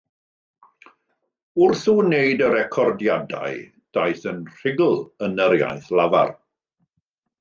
Wrth wneud y recordiadau daeth yn rhugl yn yr iaith lafar.